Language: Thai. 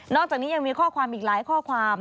อกจากนี้ยังมีข้อความอีกหลายข้อความ